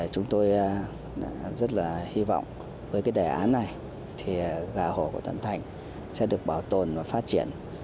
chúng tôi rất là hy vọng với đề án này gà hồ của thuận thành sẽ được bảo tồn và phát triển